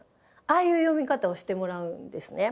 ああいう読み方をしてもらうんですね。